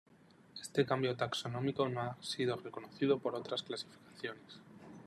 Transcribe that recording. Este cambio taxonómico no ha sido reconocido por otras clasificaciones.